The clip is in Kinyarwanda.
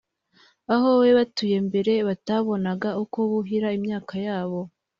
aho bari batuye mbere batabonaga uko buhira imyaka yabo